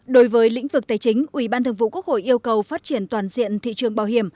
đối với lĩnh vực tài chính ủy ban thường vụ quốc hội yêu cầu phát triển toàn diện thị trường bảo hiểm